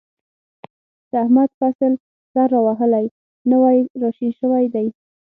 د احمد فصل سر را وهلی، نوی را شین شوی دی.